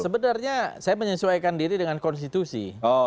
sebenarnya saya menyesuaikan diri dengan konstitusi